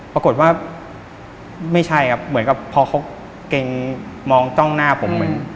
ปรากฏว่าไม่ใช่ครับเหมือนกับพอเขาเกรงมองจ้องหน้าผมเหมือน